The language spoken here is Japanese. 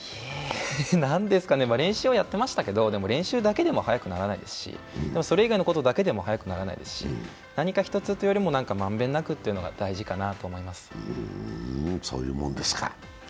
何ですかね、練習はやってましたけど練習だけでも速くならないですしそれ以外のことだけでも速くならないですし、何か一つというよりも満遍なくというのが大事かなと思います。